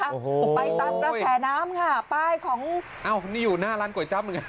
โอ้โหไปตามกระแสน้ำค่ะป้ายของอ้าวนี่อยู่หน้าร้านก๋วยจัมเหมือนกัน